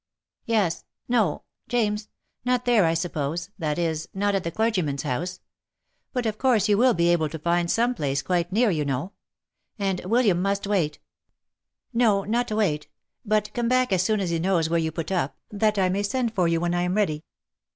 " Yes — no, James, not there I suppose — that is, not at the clergy man's house ; but of course you will be able to find some place quite near, you know ; and William must wait — no, not wait, but come back as soon as he knows where you put up, that I may send for you when I am ready."